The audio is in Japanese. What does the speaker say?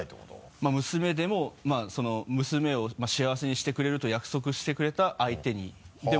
まぁ娘でもまぁその娘を幸せにしてくれると約束してくれた相手にでも。